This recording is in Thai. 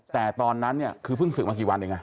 แต่ตอนนั้นคือเพิ่งสืบมากี่วันเอง